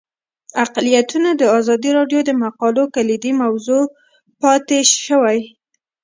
اقلیتونه د ازادي راډیو د مقالو کلیدي موضوع پاتې شوی.